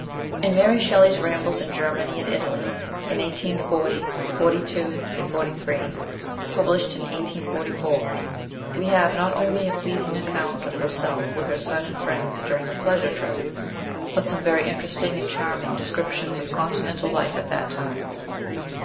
IN Mary Shelley's Rambles in Germany and Italy in 1840 42 43, published in 1844, we have not only a pleasing account of herself with her son and friends during a pleasure trip, but some very interesting and charming descriptions of continental life at that time.